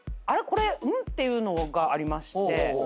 これんっ？っていうのがありまして。